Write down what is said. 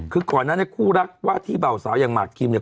คือก่อนนั้นเนี่ยคู่รักว่าที่เบาสาวอย่างหมากคิมเนี่ย